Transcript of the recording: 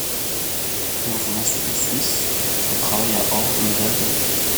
Il retourne ensuite en Suisse et travaille à Orbe, Lausanne et Moudon.